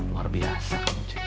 luar biasa ceng